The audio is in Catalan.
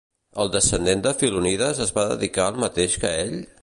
El descendent de Filonides es va dedicar al mateix que ell?